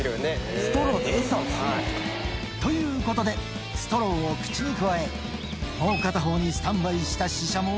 ストローで餌を吸うの？ということで、ストローを口に加え、もう片方にスタンバイしたシシャモを。